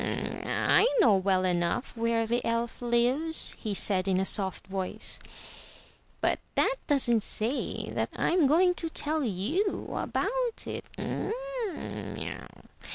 "I know well enough where the elf lives," he said in a soft voice, but that doesn't say that Fm going to tell you about it."